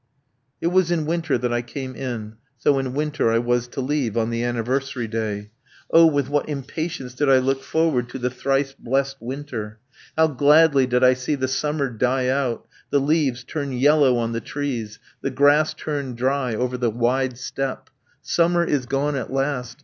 It was in winter that I came in, so in winter I was to leave, on the anniversary day. Oh, with what impatience did I look forward to the thrice blessed winter! How gladly did I see the summer die out, the leaves turn yellow on the trees, the grass turn dry over the wide steppe! Summer is gone at last!